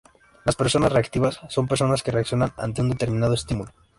Las personas "reactivas" son personas que reaccionan ante un determinado estímulo.